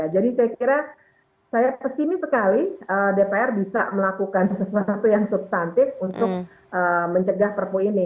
jadi saya kira saya pesimis sekali dpr bisa melakukan sesuatu yang substantif untuk mencegah perpu ini